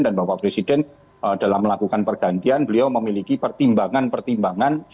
bapak presiden dalam melakukan pergantian beliau memiliki pertimbangan pertimbangan